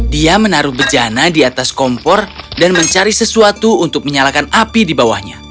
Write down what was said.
dia menaruh bejana di atas kompor dan mencari sesuatu untuk menyalakan api di bawahnya